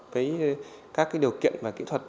với các điều kiện và kỹ thuật